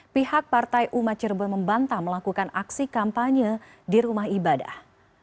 pihak partai umat cirebon membantah melakukan aksi kampanye di rumah ibadah